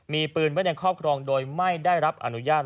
มีปืนไว้ในครอบครองโดยไม่ได้รับอนุญาต